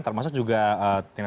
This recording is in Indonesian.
termasuk juga tujuan